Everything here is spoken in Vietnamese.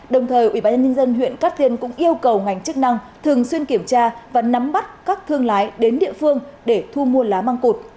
đồng thời ủy ban nhân dân huyện cát tiên cũng yêu cầu ngành chức năng thường xuyên kiểm tra và nắm bắt các thương lái đến địa phương để thu mua lá măng cụt